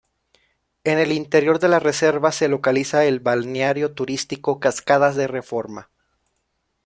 En el interior de la reserva, se localiza el balneario turístico ""Cascadas de Reforma"".